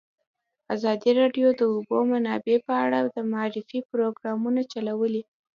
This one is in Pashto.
ازادي راډیو د د اوبو منابع په اړه د معارفې پروګرامونه چلولي.